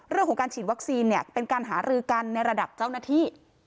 เรื่องของการฉีดวัคซีนเนี่ยเป็นการหารือกันในระดับเจ้าหน้าที่